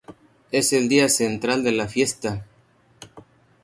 Es el día central de la Fiesta.